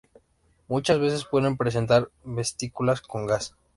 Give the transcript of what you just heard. Muchas veces pueden presentar vesículas con gas.